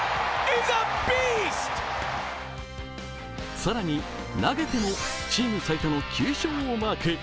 更に投げてもチーム最多の９勝をマーク。